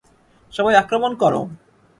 সবাই আক্রমণ কর।